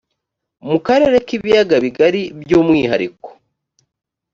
mu karere k ibiyaga bigari by umwihariko